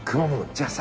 じゃあさ。